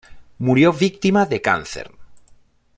Murió víctima de cáncer.